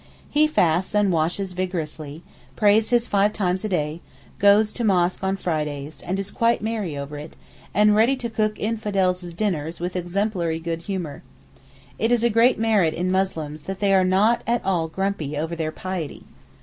He fasts and washes vigorously, prays his five times a day, goes to mosque on Fridays, and is quite merry over it, and ready to cook infidels' dinners with exemplary good humour. It is a great merit in Muslims that they are not at all grumpy over their piety.